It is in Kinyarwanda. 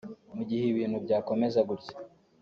Mu gihe ibintu byakomeza gutya